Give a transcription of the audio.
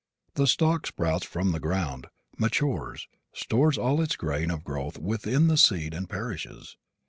The stalk sprouts from the ground, matures, stores all its gain of growth within the seed and perishes.